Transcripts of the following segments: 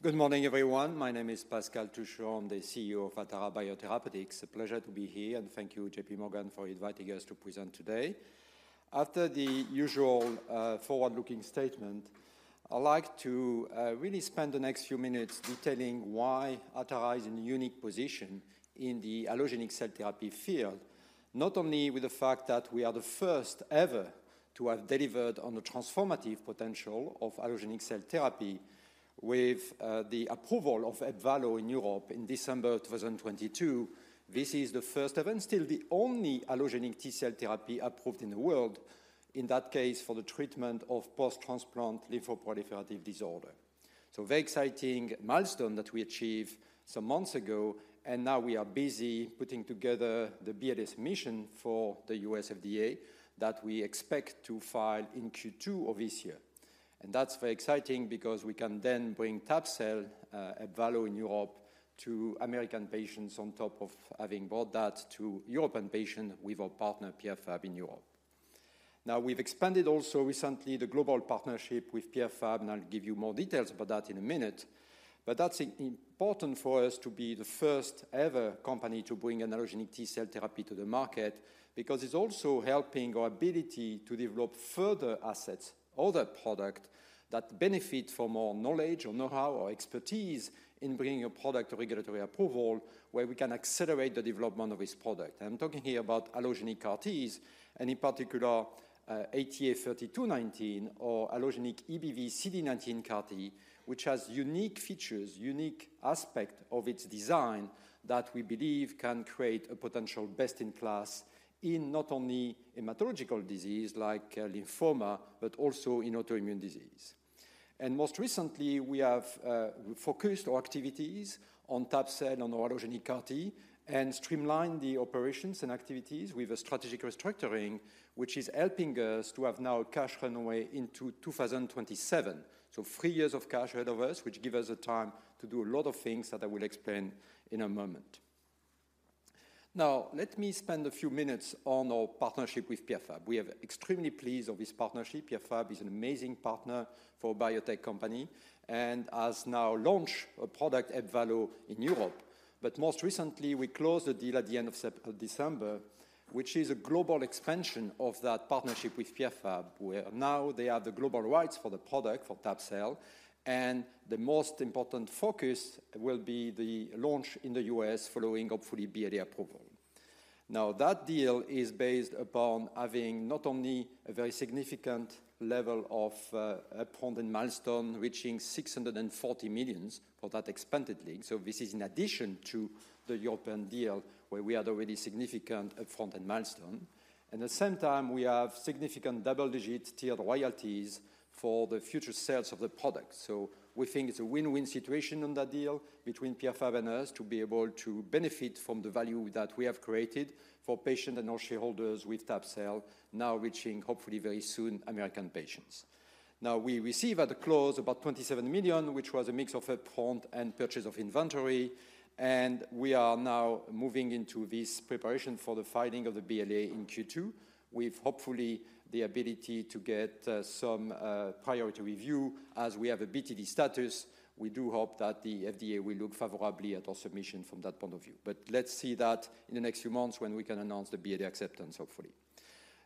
Good morning, everyone. My name is Pascal Touchon. I'm the CEO of Atara Biotherapeutics. A pleasure to be here, and thank you, JPMorgan, for inviting us to present today. After the usual forward-looking statement, I'd like to really spend the next few minutes detailing why Atara is in a unique position in the allogeneic cell therapy field, not only with the fact that we are the first-ever to have delivered on the transformative potential of allogeneic cell therapy with the approval of EBVALLO in Europe in December 2022. This is the first-ever and still the only allogeneic T-cell therapy approved in the world, in that case, for the treatment of post-transplant lymphoproliferative disorder. Very exciting milestone that we achieved some months ago, and now we are busy putting together the BLA submission for the U.S. FDA that we expect to file in Q2 of this year. That's very exciting because we can then bring tab-cel, EBVALLO in Europe to American patients on top of having brought that to European patients with our partner, Pierre Fabre, in Europe. Now, we've expanded also recently the global partnership with Pierre Fabre, and I'll give you more details about that in a minute. That's important for us to be the first-ever company to bring an allogeneic T-cell therapy to the market because it's also helping our ability to develop further assets or other product that benefit from our knowledge or know-how or expertise in bringing a product to regulatory approval, where we can accelerate the development of this product. I'm talking here about allogeneic CAR-Ts, and in particular, ATA3219 or allogeneic EBV CD19 CAR-T, which has unique features, unique aspect of its design that we believe can create a potential best-in-class in not only hematological disease like lymphoma, but also in autoimmune disease. Most recently, we have focused our activities on tab-cel, on our allogeneic CAR-T, and streamlined the operations and activities with a strategic restructuring, which is helping us to have now cash-runway into 2027. So three years of cash ahead of us, which give us the time to do a lot of things that I will explain in a moment. Now, let me spend a few minutes on our partnership with Pierre Fabre. We are extremely pleased of this partnership. Pierre Fabre is an amazing partner for a biotech company and has now launched a product, EBVALLO, in Europe. But most recently, we closed the deal at the end of September-December, which is a global expansion of that partnership with Pierre Fabre, where now they have the global rights for the product, for tab-cel, and the most important focus will be the launch in the U.S. following, hopefully, BLA approval. Now, that deal is based upon having not only a very significant level of upfront and milestone, reaching $640 million for that expanded deal. So this is in addition to the European deal, where we had already significant upfront and milestone. At the same time, we have significant double-digit tiered royalties for the future sales of the product. So we think it's a win-win situation on that deal between Pierre Fabre and us to be able to benefit from the value that we have created for patients and our shareholders with tab-cel, now reaching, hopefully very soon, American patients. Now, we receive at the close about $27 million, which was a mix of upfront and purchase of inventory, and we are now moving into this preparation for the filing of the BLA in Q2. We've hopefully the ability to get some priority review as we have a BTD status. We do hope that the FDA will look favorably at our submission from that point of view. But let's see that in the next few months when we can announce the BLA acceptance, hopefully.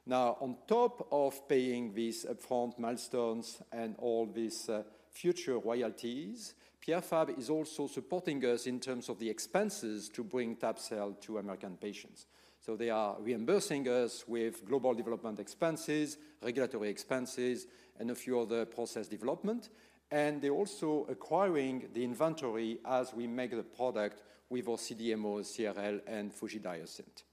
Now, on top of paying these upfront milestones and all these future royalties, Pierre Fabre is also supporting us in terms of the expenses to bring tab-cel to American patients. So they are reimbursing us with global development expenses, regulatory expenses, and a few other process development. And they're also acquiring the inventory as we make the product with our CDMO, CRL, and FUJIFILM Diosynth.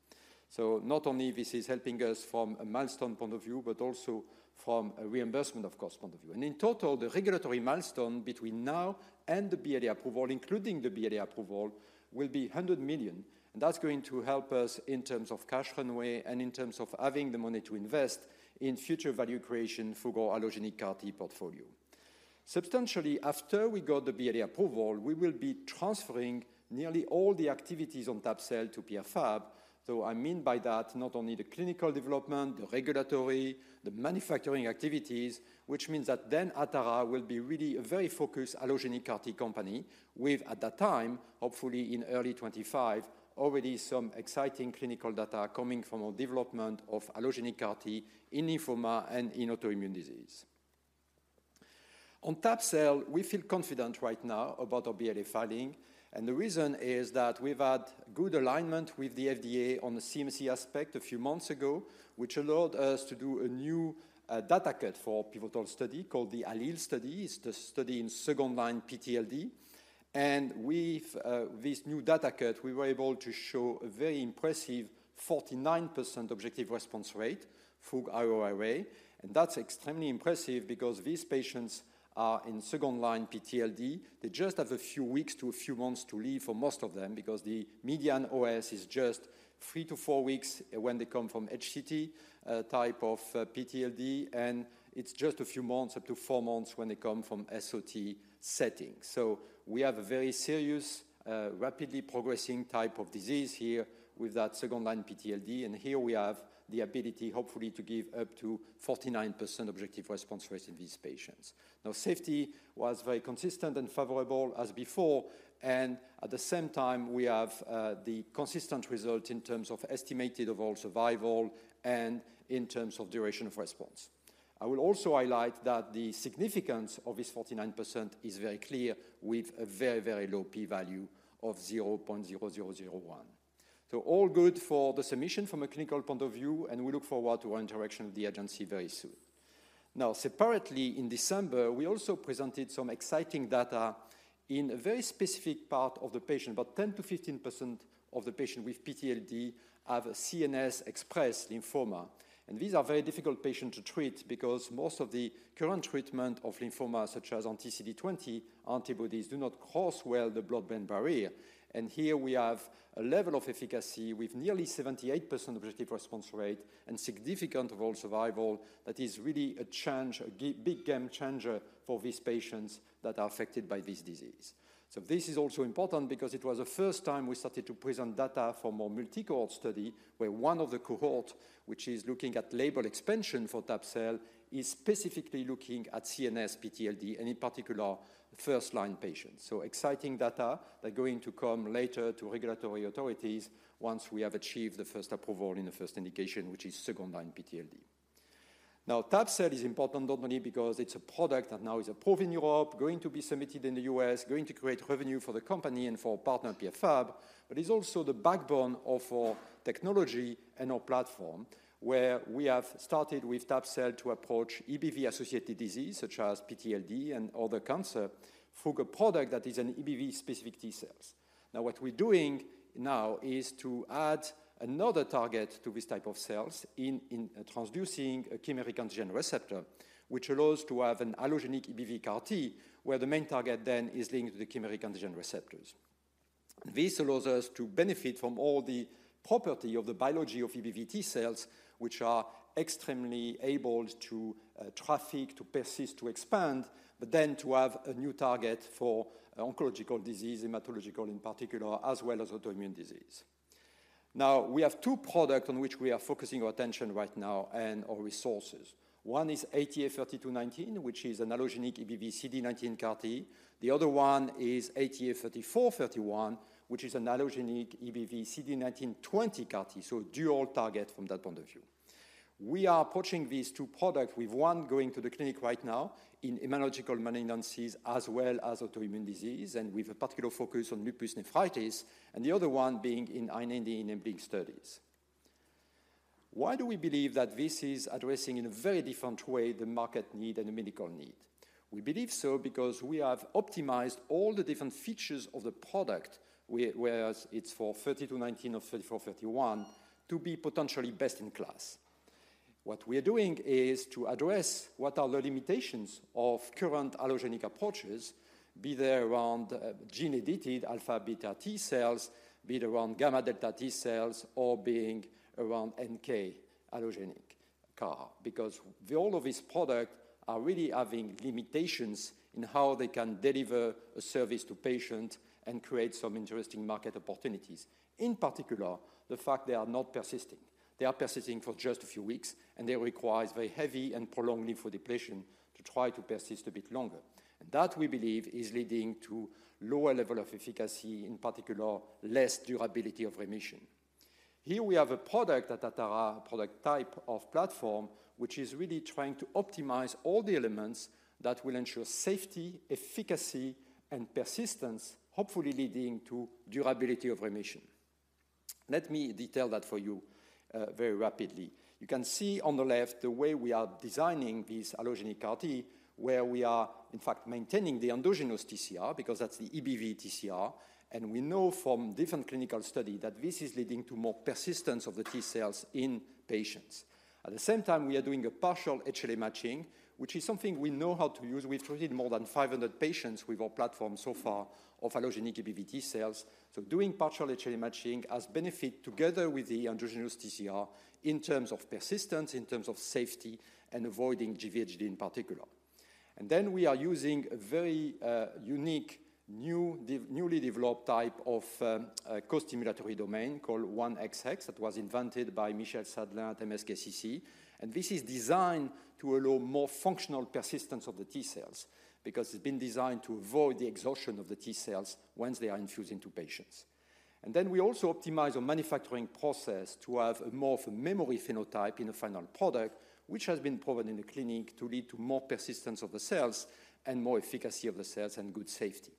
So not only this is helping us from a milestone point of view, but also from a reimbursement, of course, point of view. And in total, the regulatory milestone between now and the BLA approval, including the BLA approval, will be $100 million, and that's going to help us in terms of cash-runway and in terms of having the money to invest in future value-creation for our allogeneic CAR-T portfolio. Substantially, after we got the BLA approval, we will be transferring nearly all the activities on tab-cel to Pierre Fabre. So I mean by that, not only the clinical development, the regulatory, the manufacturing activities, which means that then Atara will be really a very focused allogeneic CAR-T company with, at that time, hopefully in early 2025, already some exciting clinical data coming from our development of allogeneic CAR-T in lymphoma and in autoimmune disease. On tab-cel, we feel confident right now about our BLA filing, and the reason is that we've had good alignment with the FDA on the CMC aspect a few months ago, which allowed us to do a new data-cut for pivotal study called the ALLELE study. It's the study in second-line PTLD, and with this new data-cut, we were able to show a very impressive 49% objective response rate through IORA. That's extremely impressive because these patients are in second-line PTLD. They just have a few weeks to a few months to live for most of them, because the median OS is just three to four weeks when they come from HCT type of PTLD, and it's just a few months, up to four months, when they come from SOT setting. So we have a very serious, rapidly progressing type of disease here with that second-line PTLD, and here we have the ability, hopefully, to give up to 49% objective response rate in these patients. Now, safety was very consistent and favorable as before, and at the same time, we have the consistent result in terms of estimated overall survival and in terms of duration of response. I will also highlight that the significance of this 49% is very clear, with a very, very low P value of 0.0001. So all good for the submission from a clinical point of view, and we look forward to our interaction with the agency very soon. Now, separately, in December, we also presented some exciting data in a very specific part of the patient. About 10%-15% of the patient with PTLD have a CNS PTLD, and these are very difficult patients to treat because most of the current treatment of lymphoma, such as anti-CD20 antibodies, do not cross well the blood-brain barrier. Here we have a level of efficacy with nearly 78% objective response rate and significant overall survival that is really a change, a big game changer for these patients that are affected by this disease. This is also important because it was the first time we started to present data from our multi-cohort study, where one of the cohorts, which is looking at label-expansion for tab-cel, is specifically looking at CNS PTLD, and in particular, first-line patients. Exciting data that are going to come later to regulatory authorities once we have achieved the first approval in the first indication, which is second-line PTLD. Now, tab-cel is important not only because it's a product that now is approved in Europe, going to be submitted in the U.S., going to create revenue for the company and for our partner, Pierre Fabre, but it's also the backbone of our technology and our platform, where we have started with tab-cel to approach EBV-associated disease such as PTLD and other cancer through a product that is an EBV-specific T-cells. Now, what we're doing now is to add another target to this type of cells in transducing a chimeric antigen receptor, which allows to have an allogeneic EBV CAR-T, where the main target then is linked to the chimeric antigen receptors. This allows us to benefit from all the property of the biology of EBV-T cells, which are extremely able to traffic, to persist, to expand, but then to have a new target for oncological disease, hematological in particular, as well as autoimmune disease. Now, we have two products on which we are focusing our attention right now and our resources. One is ATA3219, which is an allogeneic EBV CD19 CAR-T. The other one is ATA3431, which is an allogeneic EBV CD19/20 CAR-T, so dual target from that point of view. We are approaching these two products with one going to the clinic right now in immunological malignancies as well as autoimmune disease, and with a particular focus on lupus nephritis, and the other one being in IND-enabling studies. Why do we believe that this is addressing in a very different way the market need and the medical need? We believe so because we have optimized all the different features of the product, whether it's for ATA3219 or ATA3431, to be potentially best in class. What we are doing is to address what are the limitations of current allogeneic approaches, be they around gene-edited alpha beta T-cells, be it around gamma delta T-cells, or being around NK allogeneic CAR, because the all of these products are really having limitations in how they can deliver a service to patients and create some interesting market opportunities. In particular, the fact they are not persisting. They are persisting for just a few weeks, and they require very heavy and prolonged lymphodepletion to try to persist a bit longer. That, we believe, is leading to lower level of efficacy, in particular, less durability of remission. Here we have a product at Atara, a product type of platform, which is really trying to optimize all the elements that will ensure safety, efficacy, and persistence, hopefully leading to durability of remission. Let me detail that for you very rapidly. You can see on the left the way we are designing this allogeneic CAR-T, where we are in fact maintaining the endogenous TCR, because that's the EBV TCR, and we know from different clinical study that this is leading to more persistence of the T-cells in patients. At the same time, we are doing a partial HLA matching, which is something we know how to use. We've treated more than 500 patients with our platform so far of allogeneic EBV T-cells. So doing partial HLA matching has benefit together with the endogenous TCR in terms of persistence, in terms of safety, and avoiding GvHD in particular. And then we are using a very unique, newly developed type of, costimulatory domain called 1XX. It was invented by Michel Sadelain at MSKCC, and this is designed to allow more functional persistence of the T-cells, because it's been designed to avoid the exhaustion of the T-cells once they are infused into patients. And then we also optimize our manufacturing process to have more of a memory-phenotype in the final product, which has been proven in the clinic to lead to more persistence of the cells and more efficacy of the cells and good safety.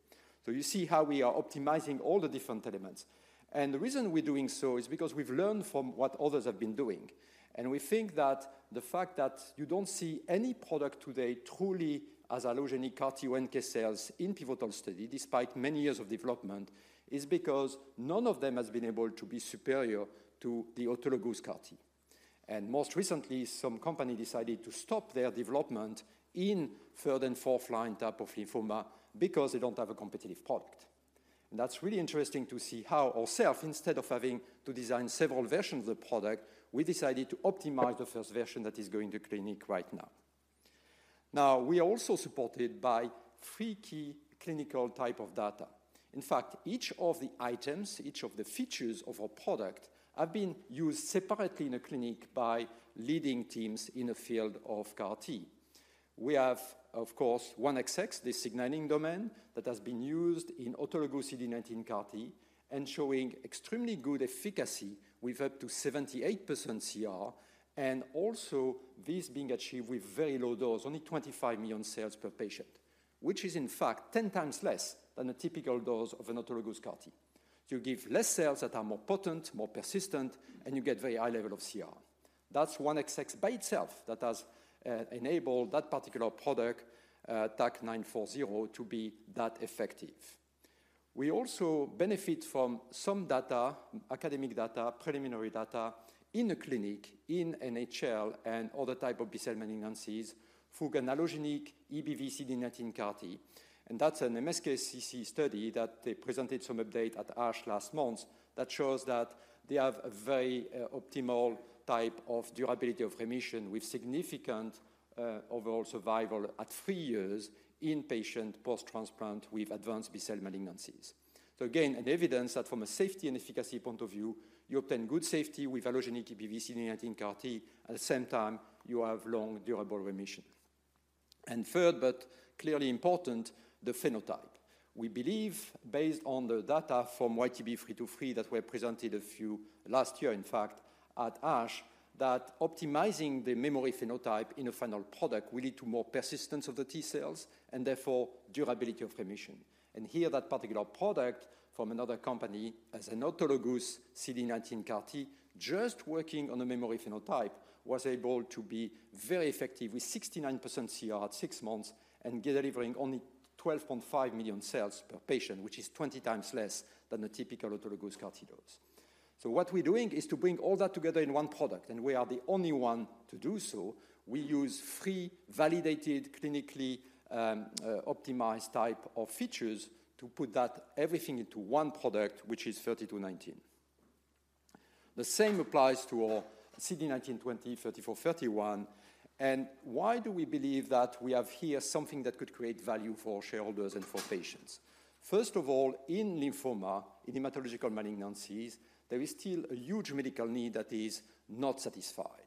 So you see how we are optimizing all the different elements. The reason we're doing so is because we've learned from what others have been doing. We think that the fact that you don't see any product today truly as allogeneic CAR-T or NK cells in pivotal study, despite many years of development, is because none of them has been able to be superior to the autologous CAR-T. Most recently, some company decided to stop their development in third- and fourth-line type of lymphoma because they don't have a competitive product. That's really interesting to see how ourself, instead of having to design several versions of the product, we decided to optimize the first version that is going to clinic right now. Now, we are also supported by three key clinical type of data. In fact, each of the items, each of the features of our product, have been used separately in a clinic by leading teams in the field of CAR-T. We have, of course, 1XX, the signaling domain that has been used in autologous CD19 CAR-T and showing extremely good efficacy with up to 78% CR, and also this being achieved with very low dose, only 25 million cells per patient, which is in fact 10 times less than a typical dose of an autologous CAR-T. You give less cells that are more potent, more persistent, and you get very high-level of CR. That's 1XX by itself that has enabled that particular product, TAK-940, to be that effective. We also benefit from some data, academic data, preliminary data, in the clinic, in NHL and other type of B-cell malignancies, through an allogeneic EBV CD19 CAR-T. And that's an MSKCC study that they presented some update at ASH last month that shows that they have a very, optimal type of durability of remission, with significant, overall survival at three years in patient post-transplant with advanced B-cell malignancies. So again, an evidence that from a safety and efficacy point of view, you obtain good safety with allogeneic EBV CD19 CAR-T, at the same time you have long durable remission. And third, but clearly important, the phenotype. We believe, based on the data from YTB 323 that were presented a few last year, in fact, at ASH, that optimizing the memory-phenotype in a final product will lead to more persistence of the T-cells, and therefore durability of remission. And here, that particular product from another company as an autologous CD19 CAR-T, just working on a memory-phenotype, was able to be very effective with 69% CR at six months and delivering only 12.5 million cells per patient, which is 20 times less than the typical autologous CAR-T dose. So what we're doing is to bring all that together in one product, and we are the only one to do so. We use three validated, clinically, optimized type of features to put that everything into one product, which is ATA3219. The same applies to our CD19, 20, 3431. Why do we believe that we have here something that could create value for shareholders and for patients? First of all, in lymphoma, in hematological malignancies, there is still a huge medical need that is not satisfied.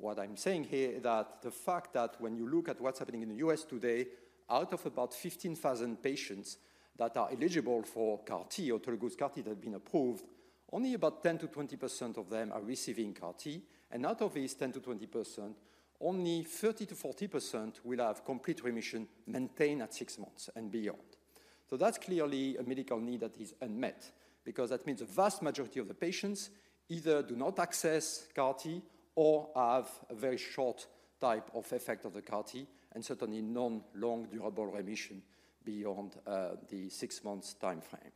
What I'm saying here is that the fact that when you look at what's happening in the U.S. today, out of about 15,000 patients that are eligible for CAR-T, autologous CAR-T that have been approved, only about 10%-20% of them are receiving CAR-T. And out of this 10%-20%, only 30%-40% will have complete remission maintained at six months and beyond. So that's clearly a medical need that is unmet, because that means a vast majority of the patients either do not access CAR-T or have a very short type of effect of the CAR-T, and certainly non-long durable remission beyond the six months time frame.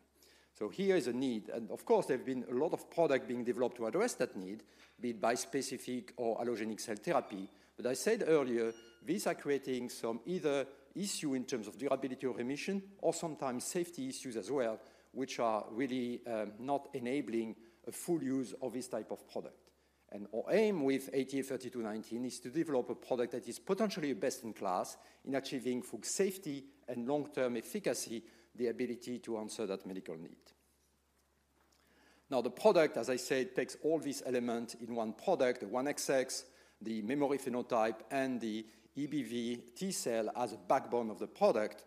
So here is a need, and of course, there have been a lot of product being developed to address that need, be it bispecific or allogeneic cell therapy. But I said earlier, these are creating some either issue in terms of durability or remission, or sometimes safety issues as well, which are really not enabling a full use of this type of product. And our aim with ATA3219 is to develop a product that is potentially best in class in achieving full safety and long-term efficacy, the ability to answer that medical need. Now, the product, as I said, takes all these elements in one product, the 1XX, the memory-phenotype, and the EBV T-cell as a backbone of the product.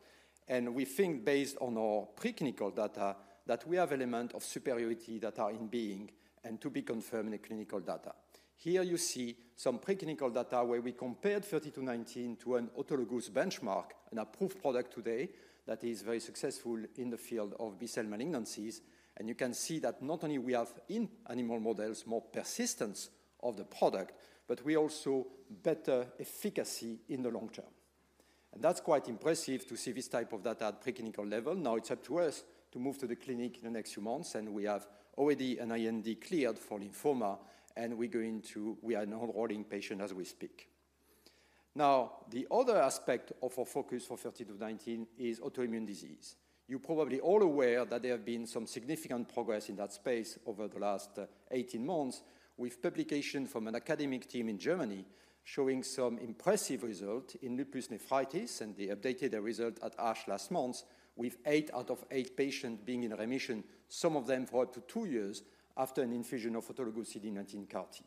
We think based on our preclinical data, that we have element of superiority that are in being and to be confirmed in the clinical data. Here you see some preclinical data where we compared ATA3219 to an autologous benchmark, an approved product today that is very successful in the field of B-cell malignancies. You can see that not only we have in animal models, more persistence of the product, but we also better efficacy in the long-term. That's quite impressive to see this type of data at preclinical level. Now it's up to us to move to the clinic in the next few months, and we have already an IND cleared for lymphoma, and we're going to—we are now enrolling patients as we speak. Now, the other aspect of our focus for ATA3219 is autoimmune disease. You're probably all aware that there have been some significant progress in that space over the last 18 months, with publication from an academic team in Germany showing some impressive result in lupus nephritis, and they updated their result at ASH last month with eight out of eight patients being in remission, some of them for up to two years after an infusion of autologous CD19 CAR-T.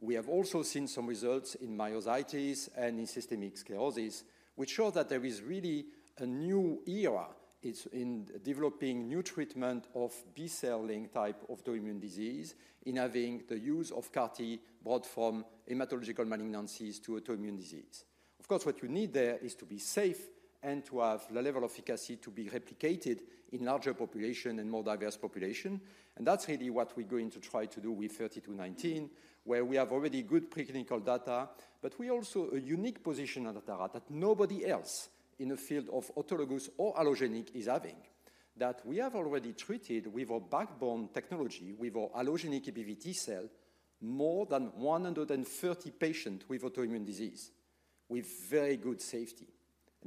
We have also seen some results in myositis and in systemic sclerosis, which show that there is really a new era. It's in developing new treatment of B-cell linked type autoimmune disease, in having the use of CAR-T brought from hematological malignancies to autoimmune disease. Of course, what you need there is to be safe and to have the level of efficacy to be replicated in larger population and more diverse population. And that's really what we're going to try to do with ATA3219, where we have already good preclinical data, but we also a unique position on the data that nobody else in the field of autologous or allogeneic is having. That we have already treated with our backbone technology, with our allogeneic EBV T-cell, more than 130 patients with autoimmune disease, with very good safety.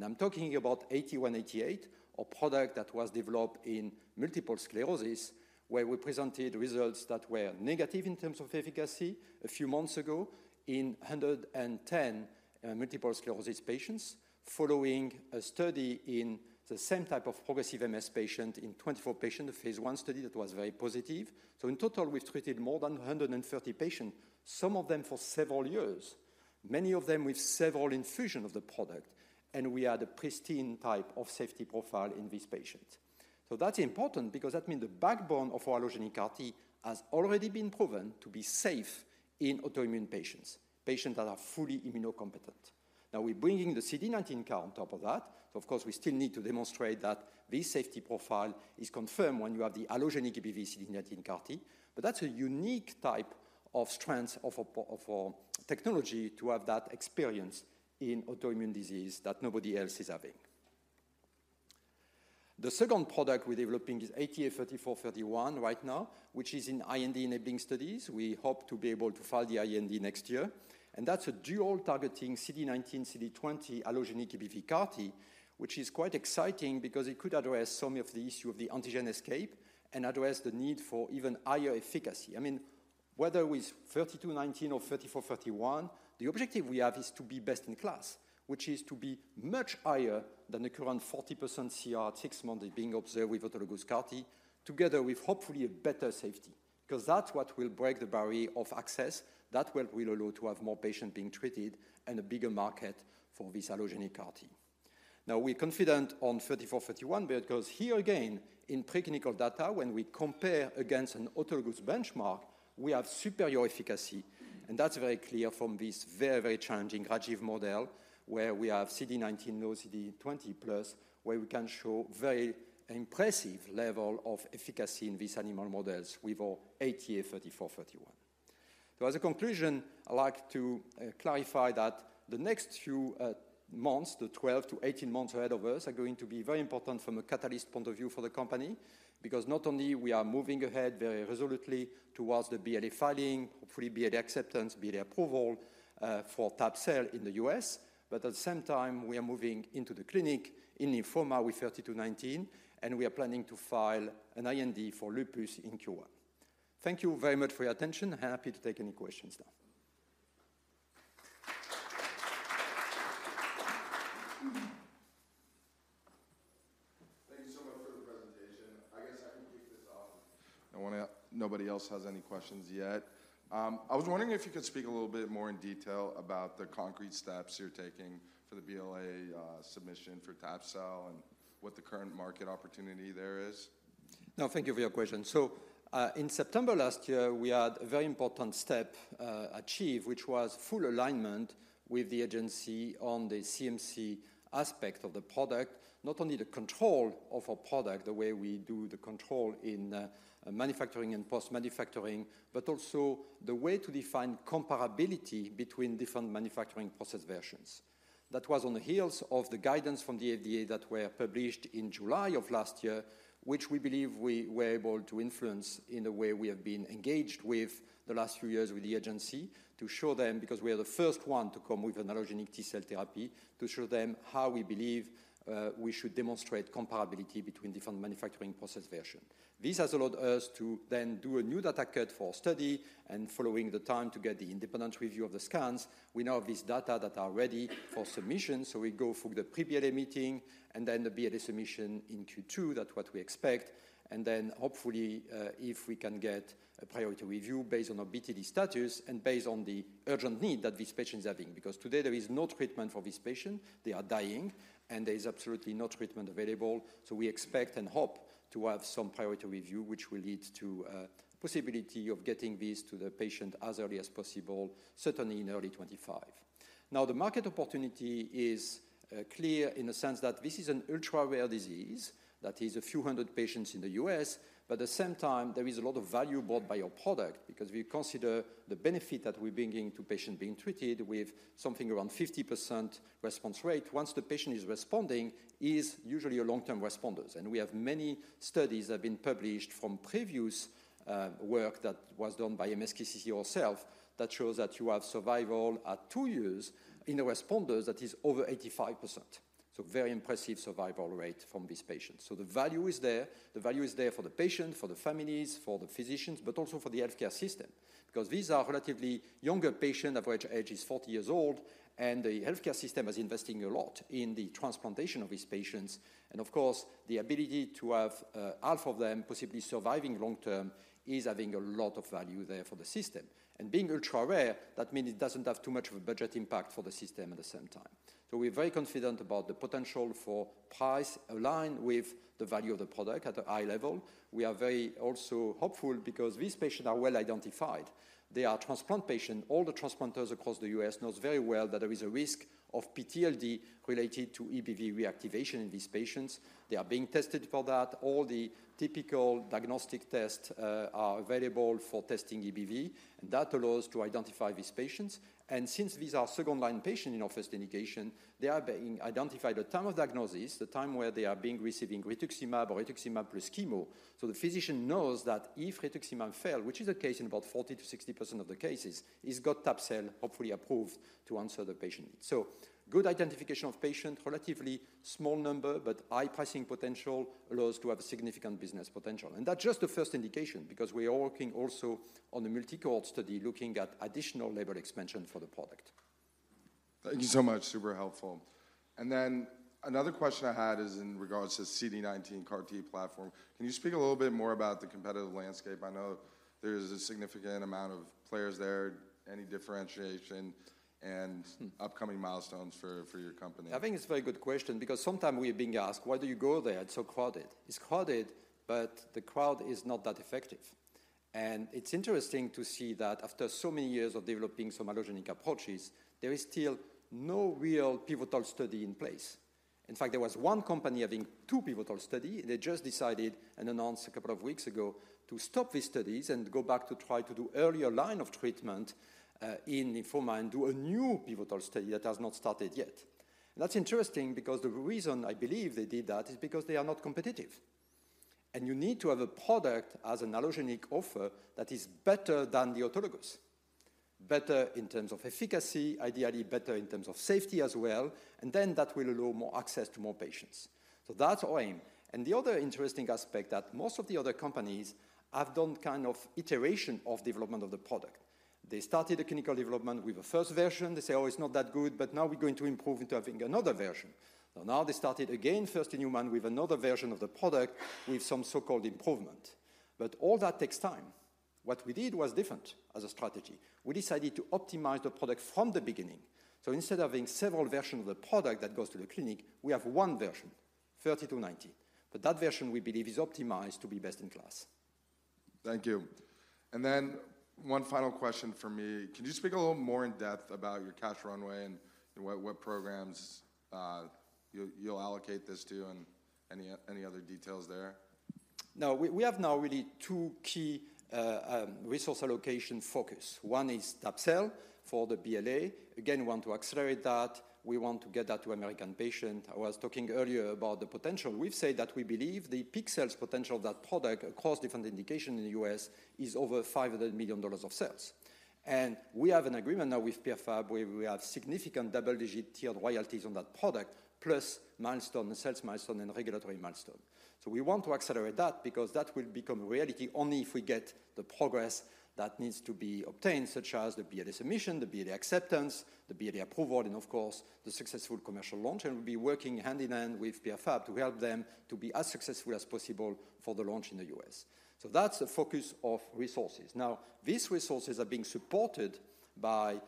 I'm talking about ATA188, a product that was developed in multiple sclerosis, where we presented results that were negative in terms of efficacy a few months ago in 110 multiple sclerosis patients, following a study in the same type of progressive MS patient in 24 patients, a phase I study that was very positive. So in total, we've treated more than 130 patients, some of them for several years, many of them with several infusion of the product, and we had a pristine type of safety profile in these patients. So that's important because that means the backbone of allogeneic CAR-T has already been proven to be safe in autoimmune patients, patients that are fully immunocompetent. Now, we're bringing the CD19 CAR on top of that, so of course, we still need to demonstrate that this safety profile is confirmed when you have the allogeneic EBV CD19 CAR-T. But that's a unique type of strength of our technology to have that experience in autoimmune disease that nobody else is having. The second product we're developing is ATA3431 right now, which is in IND-enabling studies. We hope to be able to file the IND next year, and that's a dual-targeting CD19/CD20 allogeneic EBV CAR-T, which is quite exciting because it could address some of the issue of the antigen escape and address the need for even higher efficacy. I mean, whether with 3219 or 3431, the objective we have is to be best in class, which is to be much higher than the current 40% CR at six months being observed with autologous CAR-T, together with hopefully a better safety, because that's what will break the barrier of access. That's what will allow to have more patients being treated and a bigger market for this allogeneic CAR-T. Now, we're confident on 3431 because here again, in preclinical data, when we compare against an autologous benchmark, we have superior efficacy, and that's very clear from this very, very challenging Raji model, where we have CD19-null CD20+, where we can show very impressive level of efficacy in these animal models with our ATA3431. As a conclusion, I'd like to clarify that the next few months, the 12-18 months ahead of us, are going to be very important from a catalyst point of view for the company, because not only we are moving ahead very resolutely towards the BLA filing, hopefully BLA acceptance, BLA approval, for tab-cel in the U.S., but at the same time, we are moving into the clinic in lymphoma with ATA3219, and we are planning to file an IND for lupus in Q1. Thank you very much for your attention, and happy to take any questions now. Thank you so much for the presentation. I guess I can kick this off. Nobody else has any questions yet. I was wondering if you could speak a little bit more in detail about the concrete steps you're taking for the BLA submission for tab-cel and what the current market opportunity there is. No, thank you for your question. So, in September last year, we had a very important step achieved, which was full alignment with the agency on the CMC aspect of the product. Not only the control of our product, the way we do the control in manufacturing and post-manufacturing, but also the way to define comparability between different manufacturing process versions. That was on the heels of the guidance from the FDA that were published in July of last year, which we believe we were able to influence in the way we have been engaged with the last few years with the agency to show them, because we are the first one to come with an allogeneic T-cell therapy, to show them how we believe we should demonstrate comparability between different manufacturing process version. This has allowed us to then do a new data-cut for study, and following the time to get the independent review of the scans, we now have this data that are ready for submission. So we go through the pre-BLA meeting and then the BLA submission in Q2. That's what we expect. And then hopefully, if we can get a priority review based on our BTD status and based on the urgent need that these patients are having, because today there is no treatment for these patients. They are dying, and there is absolutely no treatment available. So we expect and hope to have some priority review, which will lead to possibility of getting this to the patient as early as possible, certainly in early 2025. Now, the market opportunity is clear in the sense that this is an ultra-rare disease, that is a few hundred patients in the U.S., but at the same time, there is a lot of value brought by our product because we consider the benefit that we're bringing to patients being treated with something around 50% response rate. Once the patient is responding, is usually a long-term responders, and we have many studies that have been published from previous work that was done by MSK ourselves, that shows that you have survival at two years in the responders that is over 85%. So very impressive survival rate from these patients. So the value is there. The value is there for the patient, for the families, for the physicians, but also for the healthcare system, because these are relatively younger patients, average age is 40 years old, and the healthcare system is investing a lot in the transplantation of these patients. Of course, the ability to have, half of them possibly surviving long-term is having a lot of value there for the system. And being ultra-rare, that means it doesn't have too much of a budget impact for the system at the same time. So we're very confident about the potential for price aligned with the value of the product at a high-level. We are very also hopeful because these patients are well identified. They are transplant patients. All the transplanters across the U.S. knows very well that there is a risk of PTLD related to EBV reactivation in these terms. They are being tested for that. All the typical diagnostic tests are available for testing EBV, and that allows to identify these patients. Since these are second-line patients in our first indication, they are being identified at time of diagnosis, the time where they are being receiving rituximab or rituximab plus chemo. So the physician knows that if rituximab fail, which is the case in about 40%-60% of the cases, he's got tab-cel hopefully approved to answer the patient needs. Good identification of patient, relatively small number, but high pricing potential allows to have a significant business potential. That's just the first indication, because we are working also on a multi-center study looking at additional label-expansion for the product.... Thank you so much. Super helpful. And then another question I had is in regards to CD19 CAR-T platform. Can you speak a little bit more about the competitive landscape? I know there's a significant amount of players there. Any differentiation and upcoming milestones for, for your company? I think it's a very good question because sometimes we are being asked: Why do you go there? It's so crowded. It's crowded, but the crowd is not that effective. And it's interesting to see that after so many years of developing some allogeneic approaches, there is still no real pivotal study in place. In fact, there was one company having two pivotal study, and they just decided and announced a couple of weeks ago to stop these studies and go back to try to do earlier line of treatment, in lymphoma and do a new pivotal study that has not started yet. That's interesting because the reason I believe they did that is because they are not competitive. And you need to have a product as an allogeneic offer that is better than the autologous. Better in terms of efficacy, ideally better in terms of safety as well, and then that will allow more access to more patients. That's our aim. The other interesting aspect that most of the other companies have done kind of iteration of development of the product. They started a clinical development with the first version. They say, "Oh, it's not that good, but now we're going to improve into having another version." So now they started again, first-in-human, with another version of the product with some so-called improvement. But all that takes time. What we did was different as a strategy. We decided to optimize the product from the beginning. So instead of having several versions of the product that goes to the clinic, we have one version, 30-90, but that version, we believe, is optimized to be best in class. Thank you. And then one final question for me. Can you speak a little more in depth about your cash-runway and what programs you'll allocate this to, and any other details there? Now, we have now really two key resource allocation focus. One is tab-cel for the BLA. Again, we want to accelerate that. We want to get that to American patient. I was talking earlier about the potential. We've said that we believe the peak-sales potential of that product across different indications in the U.S. is over $500 million of sales. And we have an agreement now with Pierre Fabre, where we have significant double-digit tiered royalties on that product, plus milestone, the sales milestone and regulatory milestone. So we want to accelerate that because that will become a reality only if we get the progress that needs to be obtained, such as the BLA submission, the BLA acceptance, the BLA approval, and of course, the successful commercial launch, and we'll be working hand in hand with Pierre Fabre to help them to be as successful as possible for the launch in the U.S. So that's the focus of resources. Now, these resources are being supported by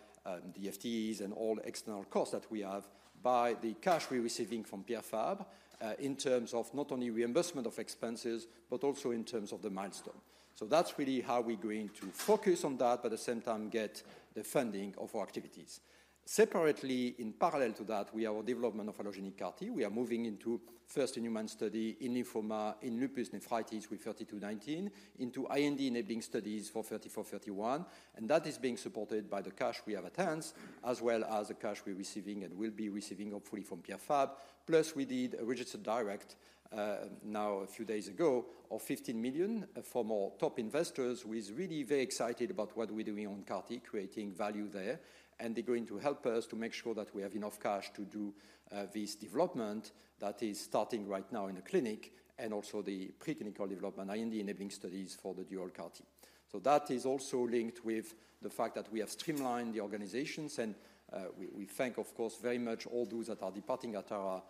the FTEs and all external costs that we have by the cash we're receiving from Pierre Fabre in terms of not only reimbursement of expenses, but also in terms of the milestone. So that's really how we're going to focus on that, but at the same time, get the funding of our activities. Separately, in parallel to that, we have our development of allogeneic CAR-T. We are moving into first-in-human study in lymphoma, in lupus nephritis with 3219, into IND-enabling studies for 3431, and that is being supported by the cash we have at hand, as well as the cash we're receiving and will be receiving, hopefully, from Pierre Fabre. Plus, we did a registered direct now a few days ago of $15 million from our top investors, who is really very excited about what we're doing on CAR-T, creating value there. And they're going to help us to make sure that we have enough cash to do this development that is starting right now in the clinic, and also the preclinical development, IND-enabling studies for the dual CAR-T. So that is also linked with the fact that we have streamlined the organizations, and we thank, of course, very much all those that are departing Atara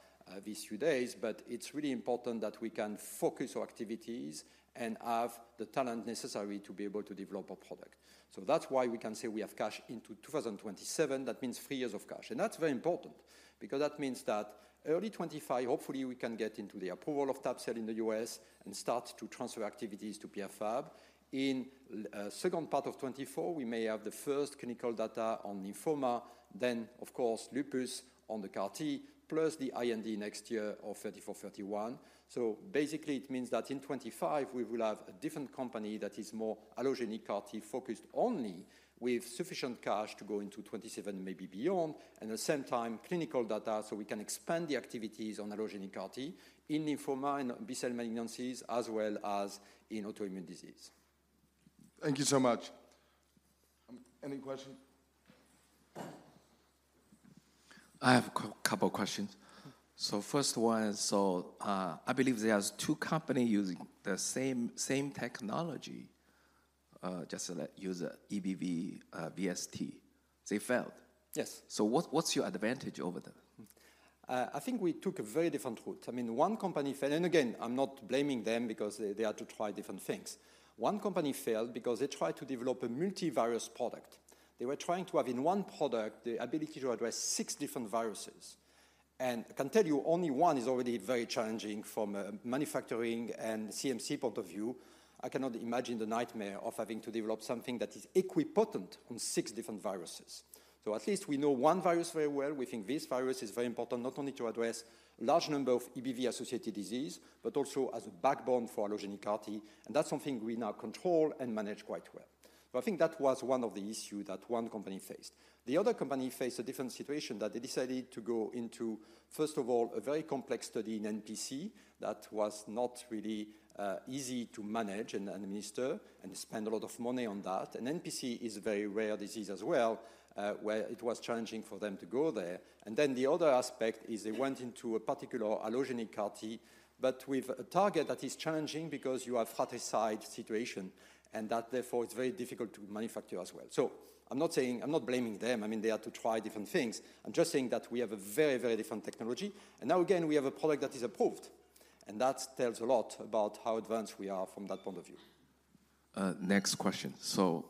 these few days. But it's really important that we can focus our activities and have the talent necessary to be able to develop a product. So that's why we can say we have cash into 2027. That means three years of cash. And that's very important because that means that early 2025, hopefully, we can get into the approval of tab-cel in the U.S. and start to transfer activities to Pierre Fabre. In second part of 2024, we may have the first clinical data on lymphoma, then of course, lupus on the CAR-T, plus the IND next year of ATA3431. Basically, it means that in 2025, we will have a different company that is more allogeneic CAR-T focused only, with sufficient cash to go into 2027, maybe beyond, and at the same time, clinical data, so we can expand the activities on allogeneic CAR-T in lymphoma and B-cell malignancies, as well as in autoimmune disease. Thank you so much. Any questions? I have a couple of questions. So first one, so, I believe there's two company using the same technology, just like use EBV, BST. They failed. Yes. So what's your advantage over them? I think we took a very different route. I mean, one company failed, and again, I'm not blaming them because they had to try different things. One company failed because they tried to develop a multi-virus product. They were trying to have in one product, the ability to address six different viruses. And I can tell you only one is already very challenging from a manufacturing and CMC point of view. I cannot imagine the nightmare of having to develop something that is equipotent on six different viruses. So at least we know one virus very well. We think this virus is very important, not only to address large number of EBV-associated disease, but also as a backbone for allogeneic CAR-T, and that's something we now control and manage quite well. But I think that was one of the issue that one company faced. The other company faced a different situation, that they decided to go into, first of all, a very complex study in NPC that was not really easy to manage and administer, and spend a lot of money on that. And NPC is a very rare disease as well, where it was challenging for them to go there. And then the other aspect is they went into a particular allogeneic CAR-T, but with a target that is challenging because you have fratricide situation, and that therefore, it's very difficult to manufacture as well. So I'm not saying-- I'm not blaming them. I mean, they had to try different things. I'm just saying that we have a very, very different technology, and now again, we have a product that is approved, and that tells a lot about how advanced we are from that point of view. Next question. So,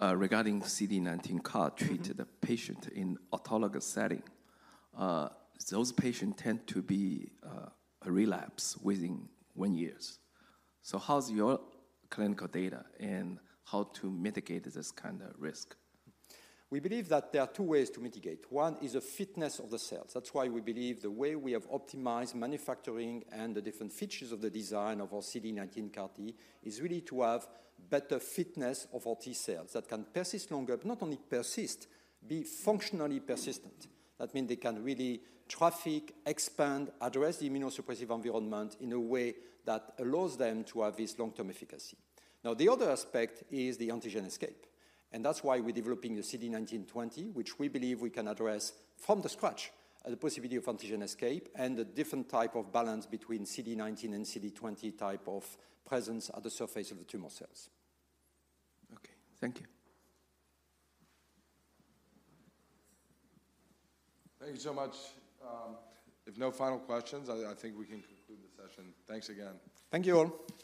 regarding CD19 CAR treated a patient in autologous setting, those patients tend to be a relapse within one year. So how's your clinical data and how to mitigate this kind of risk? We believe that there are two ways to mitigate. One is the fitness of the cells. That's why we believe the way we have optimized manufacturing and the different features of the design of our CD19 CAR-T is really to have better fitness of our T-cells that can persist longer, but not only persist, be functionally persistent. That means they can really traffic, expand, address the immunosuppressive environment in a way that allows them to have this long-term efficacy. Now, the other aspect is the antigen escape, and that's why we're developing the CD19/CD20, which we believe we can address from scratch, the possibility of antigen escape and the different type of balance between CD19 and CD20 type of presence at the surface of the tumor cells. Okay, thank you. Thank you so much. If no final questions, I think we can conclude the session. Thanks again. Thank you all.